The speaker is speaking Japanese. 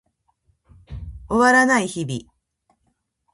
終わらない日々